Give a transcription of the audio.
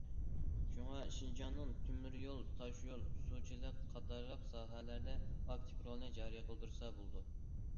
شۇڭا، شىنجاڭنىڭ تۆمۈريول، تاشيول، سۇچىلىق قاتارلىق ساھەلەردە ئاكتىپ رولىنى جارى قىلدۇرسا بولىدۇ.